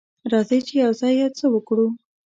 راځئ چې یوځای یو څه وکړو.